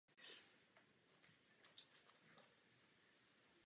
Píše o něm také Plinius starší ve svém spisu Naturalis Historia.